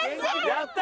やった！